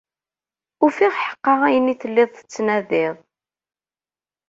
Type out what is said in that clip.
Ufiɣ ḥeqqa ayen i telliḍ tettnadiḍ.